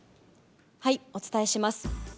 お伝えします。